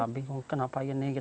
bingung kenapa ini